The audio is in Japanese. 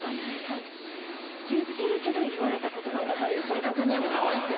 その確認やめた方がいいって。